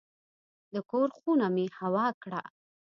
د کور خونه مې هوا کړه.